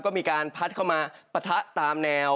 ก็มีการพัดเข้ามาปะทะตามแนว